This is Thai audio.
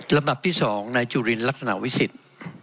สำหรับที่สองนายจุฬินร์ลักษณะวิสิทธิ์